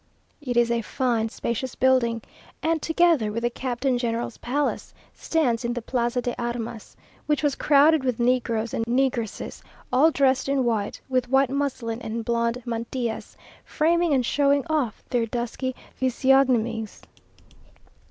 It is a fine spacious building, and, together with the Captain General's palace, stands in the Plaza de Armas, which was crowded with negroes and negresses, all dressed in white, with white muslin and blonde mantillas, framing and showing off their dusky physiognomies.